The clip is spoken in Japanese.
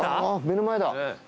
目の前だ。